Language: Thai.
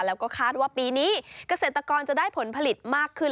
แล้วก็คาดว่าปีนี้เกษตรกรจะได้ผลผลิตมากขึ้น